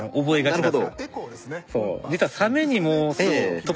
なるほど。